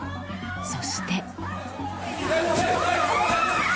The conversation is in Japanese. そして。